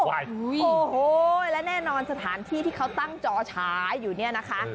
โอ้โหและแน่นอนสถานที่ที่เขาตั้งจอฉายอยู่เนี่ยนะคะ